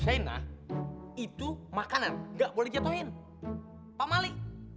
sena itu makanan gak boleh jatohin pak mali